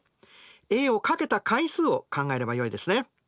ａをかけた回数を考えればよいですね。